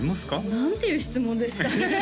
何ていう質問ですか？